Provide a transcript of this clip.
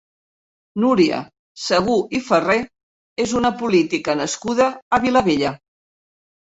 Núria Segú i Ferré és una política nascuda a Vilabella.